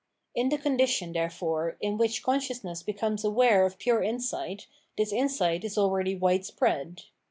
In the condition, therefore, in which consciousness becomes aware of pure insight, this insight is already widespread.